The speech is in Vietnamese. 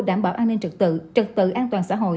đảm bảo an ninh trật tự trật tự an toàn xã hội